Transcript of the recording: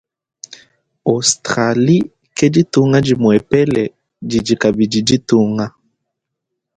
Australie ke ditunga dimuepele didi kabidi ditunga.